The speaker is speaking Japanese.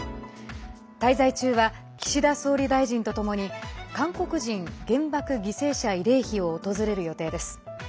滞在中は岸田総理大臣とともに韓国人原爆犠牲者慰霊碑を訪れる予定です。